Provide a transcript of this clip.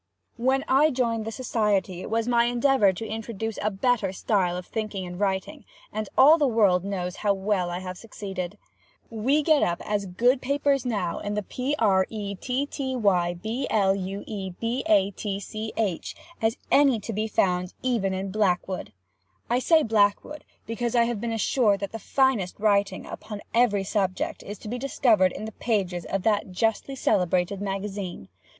] When I joined the society it was my endeavor to introduce a better style of thinking and writing, and all the world knows how well I have succeeded. We get up as good papers now in the P. R. E. T. T. Y. B. L. U. E. B. A. T. C. H. as any to be found even in Blackwood. I say, Blackwood, because I have been assured that the finest writing, upon every subject, is to be discovered in the pages of that justly celebrated Magazine.